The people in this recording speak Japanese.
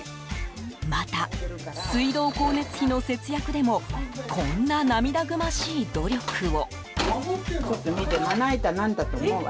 また、水道光熱費の節約でもこんな涙ぐましい努力を。